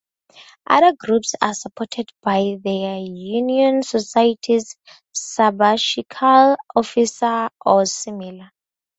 Other groups are supported by their Union Societies sabbatical officer or similar.